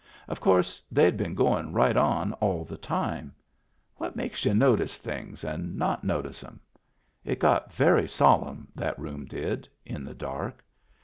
Of course they'd been goin' right on all the time. What makes y'u notice things and not notice 'em ? It got very solemn, that room did, in the dark.